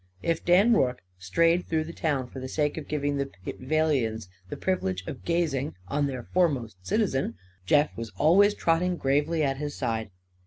If Dan Rorke strayed through the town, for the sake of giving the Pitvalians the privilege of gazing on their foremost citizen, Jeff was always trotting gravely at his side.